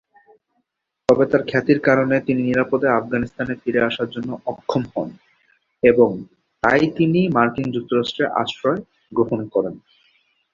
তবে, তার খ্যাতির কারণে তিনি নিরাপদে আফগানিস্তানে ফিরে আসার জন্য অক্ষম হন এবং তাই তিনি মার্কিন যুক্তরাষ্ট্রে আশ্রয় গ্রহণ করেন।